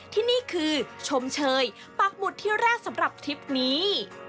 ที่นี่คือชมเชยปากหมุดที่แรกสำหรับทริปนี้